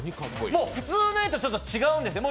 普通のやつとちょっと違うんですよ。